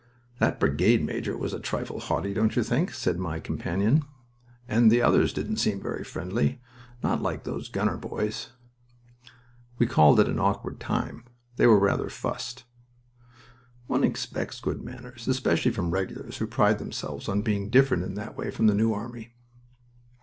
"That brigade major was a trifle haughty, don't you think?" said my companion. "And the others didn't seem very friendly. Not like those gunner boys." "We called at an awkward time. They were rather fussed." "One expects good manners. Especially from Regulars who pride themselves on being different in that way from the New Army."